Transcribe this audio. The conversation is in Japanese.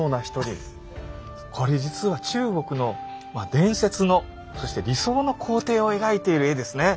これ実は中国の伝説のそして理想の皇帝を描いている絵ですね。